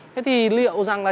thế thì liệu rằng là